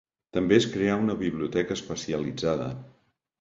També es creà una biblioteca especialitzada.